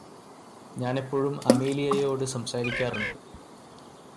ഞാനെപ്പോഴും അമേലിയയോട് സംസാരിക്കാറുണ്ട്